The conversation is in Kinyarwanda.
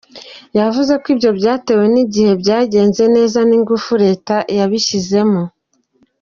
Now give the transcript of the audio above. Yavuze ko ibyo byatewe n'ibihe byagenze neza n'ingufu Leta yabishyizemo.